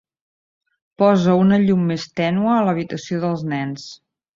Posa una llum més tènua a l'habitació dels nens.